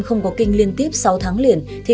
không có kinh liên tiếp sáu tháng liền thì